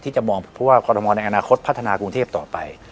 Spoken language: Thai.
จะมองเพราะว่าคอรมอลในอนาคตพัฒนากรุงเทพต่อไป